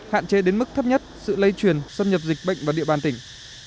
hạn chế đến mức thấp nhất sự lây truyền xâm nhập dịch bệnh vào địa bàn tỉnh